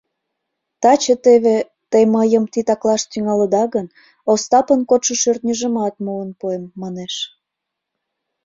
Таче теве «те мыйым титаклаш тӱҥалыда гын, Остапын кодшо шӧртньыжымат муын пуэм» манеш.